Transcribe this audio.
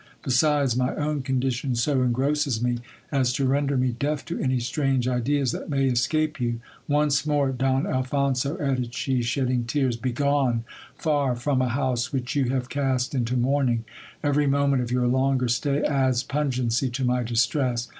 Besides, my own condition so engrosses me, as to render me deaf to any strange ideas that may escape you. Once more, Don Alphonso, added she, i shedding tears, begone far from a house which you have cast into mourning : i every moment of your longer stay adds pungency to my distress.